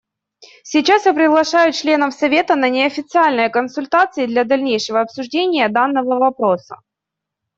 Сейчас я приглашаю членов Совета на неофициальные консультации для дальнейшего обсуждения данного вопроса.